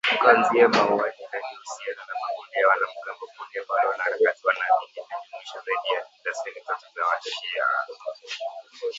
Kuanzia mauaji hadi uhusiano na makundi ya wanamgambo, kundi ambalo wanaharakati wanaamini lilijumuisha zaidi ya darzeni tatu za wa-shia